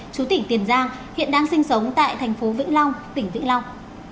chú tỉnh tiền giang hiện đang sinh sống tại thành phố vĩnh long tỉnh vĩnh long